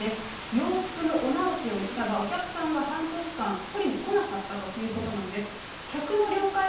洋服のお直しをしたが、お客さんが半年間取りに来なかったということなんです。